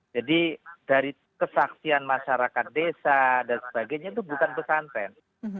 jadi dari kesaksian masyarakat desa dan sebagainya itu bukan pesantren